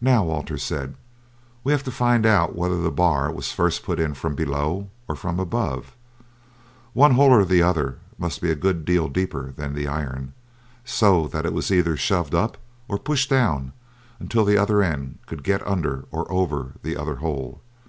"Now," Walter said, "we have to find out whether the bar was first put in from below or from above; one hole or the other must be a good deal deeper than the iron, so that it was either shoved up or pushed down until the other end could get under or over the other hole.